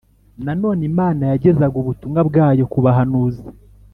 Nanone Imana yagezaga ubutumwa bwayo ku bahanuzi